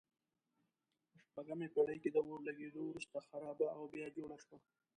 په شپږمه پېړۍ کې د اور لګېدو وروسته خرابه او بیا جوړه شوه.